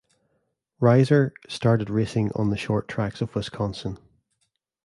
Reiser started racing on the short tracks of Wisconsin.